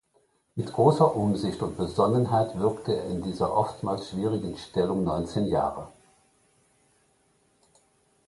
Mit großer Umsicht und Besonnenheit wirkte er in dieser oftmals schwierigen Stellung neunzehn Jahre.